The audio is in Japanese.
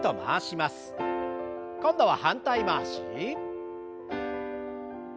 今度は反対回し。